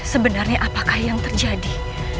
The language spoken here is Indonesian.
sebenarnya apakah yang terjadi